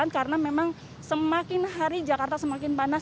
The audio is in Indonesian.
karena memang semakin hari jakarta semakin panas